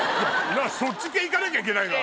そっち系行かなきゃいけないの？